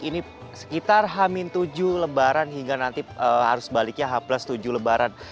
ini sekitar hamin tujuh lebaran hingga nanti harus baliknya h tujuh lebaran